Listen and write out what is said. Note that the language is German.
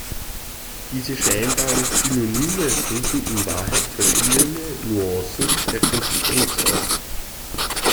Diese scheinbaren Synonyme drücken in Wahrheit verschiedene Nuancen der Konsistenz aus.